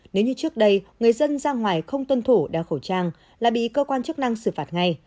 nếu như trước đây người dân ra ngoài không tuân thủ đeo khẩu trang là bị cơ quan chức năng xử phạt ngay